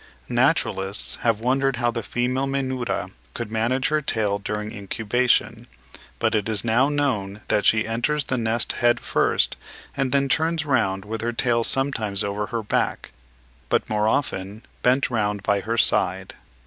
Naturalists have wondered how the female Menura could manage her tail during incubation; but it is now known (8. Mr. Ramsay, in 'Proc. Zoolog. Soc.' 1868, p. 50.) that she "enters the nest head first, and then turns round with her tail sometimes over her back, but more often bent round by her side.